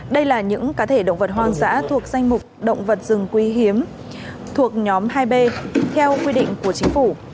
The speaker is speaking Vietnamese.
đây là những cá thể động vật hoang dã thuộc danh mục động vật rừng quý hiếm thuộc nhóm hai b theo quy định của chính phủ